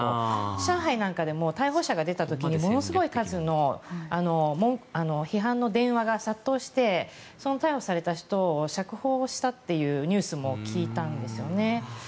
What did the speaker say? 上海なんかでも逮捕者が出た時にものすごい数の批判の電話が殺到して逮捕された人を釈放したというニュースも聞いたんですよね。